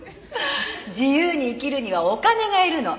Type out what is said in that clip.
「自由に生きるにはお金がいるの」